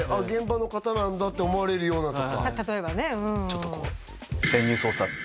現場の方なんだって思われるようなとかちょっとこう潜入捜査